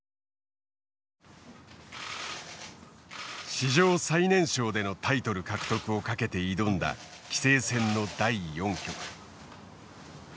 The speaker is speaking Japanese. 史上最年少でのタイトル獲得をかけて挑んだ棋聖戦の第４局。